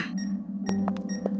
kau juga asteria